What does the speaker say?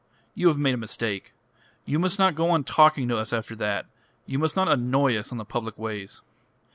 You have made a mistake. You must not go on talking to us after that. You must not annoy us on the public ways."